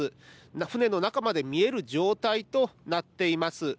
船の中まで見える状態となっています。